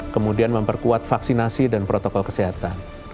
kemudian memperkuat vaksinasi dan protokol kesehatan